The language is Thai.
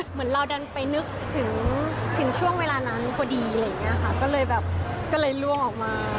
เหมือนเราดันไปนึกถึงช่วงเวลานั้นพอดีอะไรอย่างเงี้ยค่ะก็เลยแบบก็เลยล่วงออกมา